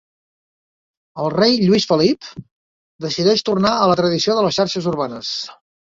El Rei Lluís Felip decideix tornar a la tradició de les xarxes urbanes.